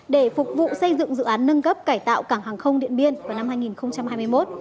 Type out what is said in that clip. để phục vụ xây dựng dự án nâng cấp cải tạo cảng hàng không điện biên vào năm hai nghìn hai mươi một